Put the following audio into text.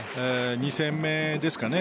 ２戦目ですかね